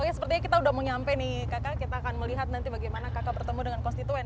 oke sepertinya kita udah mau nyampe nih kakak kita akan melihat nanti bagaimana kakak bertemu dengan konstituen